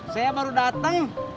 saya baru dateng